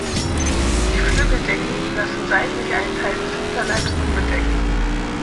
Die Flügeldecken lassen seitlich einen Teil des Hinterleibs unbedeckt.